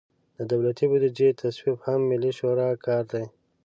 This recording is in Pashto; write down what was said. د دولتي بودیجې تصویب هم د ملي شورا کار دی.